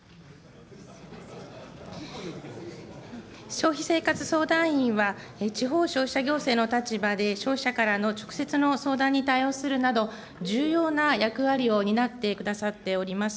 消費生活相談員は、地方消費者行政の立場で消費者からの直接の相談に対応するなど、重要な役割を担ってくださっております。